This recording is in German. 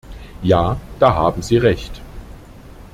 Ja, da haben Sie Recht.